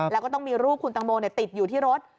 แล้วก็ต้องมีรูปคุณตังโมติดอยู่ที่รถ